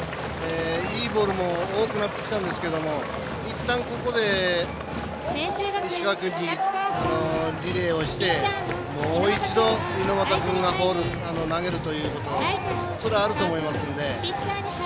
いいボールも多くなってきたんですけどいったん、ここで石川君にリレーをして、もう一度猪俣君が投げるということそれはあると思いますんで。